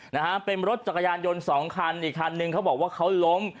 นะฮะเป็นรถจักรยานยนต์สองคันอีกคันนึงเขาบอกว่าเขาล้ม